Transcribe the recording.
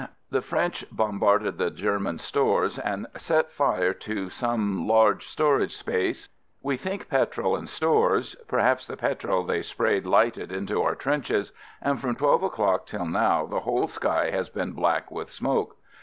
The French bombarded the German stores, and FIELD SERVICE 109 set fire to some large storage place — we think petrol and stores (perhaps the petrol they spray lighted into our trenches) , and from twelve o'clock till now the whole sky has been black with smoke.